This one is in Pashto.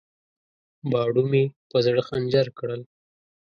باڼو مې په زړه خنجر کړل.